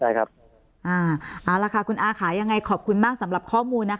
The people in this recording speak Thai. ใช่ครับอ่าเอาละค่ะคุณอาคายังไงขอบคุณมากสำหรับข้อมูลนะคะ